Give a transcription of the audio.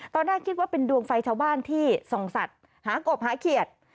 ตอนแรกคิดว่าเป็นดวงไฟชาวบ้านที่ส่องสัตว์หากบหาเขียด